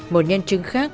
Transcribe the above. một nhân chứng khác